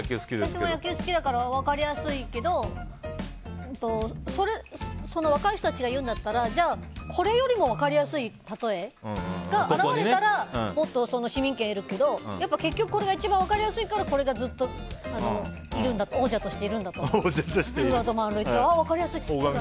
私も野球好きだから分かりやすいけど若い人たちが言うんだったらこれよりも分かりやすい例えが現れたらもっと市民権を得るけど結局これが一番分かりやすいからこれがずっと王者としているんだツーアウト満塁分かりやすいって。